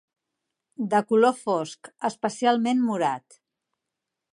De color fosc, especialment morat.